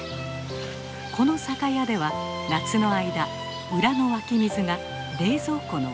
この酒屋では夏の間裏の湧き水が冷蔵庫の代わりです。